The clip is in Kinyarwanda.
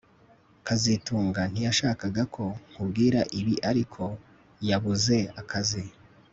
kazitunga ntiyashakaga ko nkubwira ibi ariko yabuze akazi